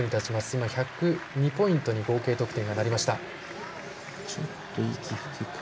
今、１０２ポイントに合計得点がなりました。